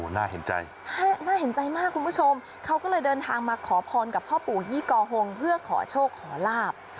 น่าเห็นใจน่าเห็นใจมากคุณผู้ชมเขาก็เลยเดินทางมาขอพรกับพ่อปู่ยี่กอฮงเพื่อขอโชคขอลาบ